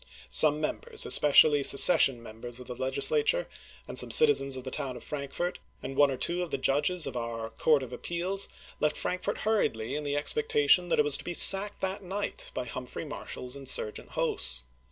Some members, especially secession members of the Legislature, and some citizens of the town of Frankfort, and one or two judges of our Court of Appeals, left Frankfort hurriedly in the expec tation that it was to be sacked that night by Humphrey Marshall's insm^gent hosts.